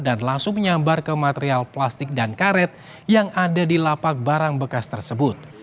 dan langsung menyambar ke material plastik dan karet yang ada di lapak barang bekas tersebut